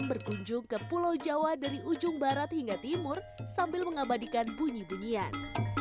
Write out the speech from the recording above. berkunjung ke pulau jawa dari ujung barat hingga timur sambil mengabadikan bunyi bunyian